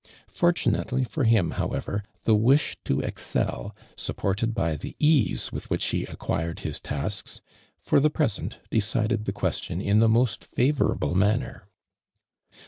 Fortun. itely for him, however, the wish to excel, supported by the ease with whicli he acrjuired his tasks, for the present, decided the question in the most favorable manner.